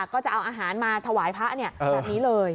ก็จะเอาอาหารมาถวายพระแบบนี้เลย